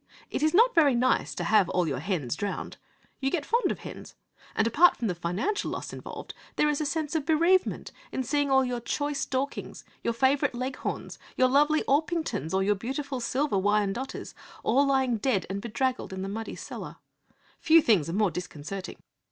It is not very nice to have all your hens drowned. You get fond of hens. And apart from the financial loss involved, there is a sense of bereavement in seeing all your choice Dorkings, your favourite Leghorns, your lovely Orpingtons, or your beautiful Silver Wyandottes all lying dead and bedraggled in the muddy cellar. Few things are more disconcerting.